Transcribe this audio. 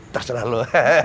terus terang lu